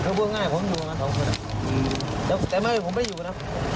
น้องพ่อแล้ววะครับ